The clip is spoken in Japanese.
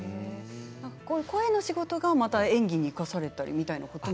声の仕事がまた演技に生かされたみたいなことも？